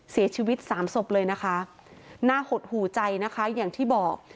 เสียชีวิตสามศพเลยนะคะน่าหดหูใจนะคะอย่างที่บอก